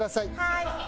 はい！